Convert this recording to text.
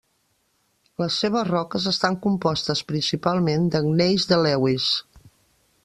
Les seves roques estan compostes principalment de gneis de Lewis.